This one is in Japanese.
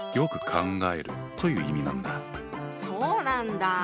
そうなんだ。